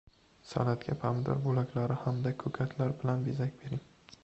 Salatga pomidor bo‘laklari hamda ko‘katlar bilan bezak bering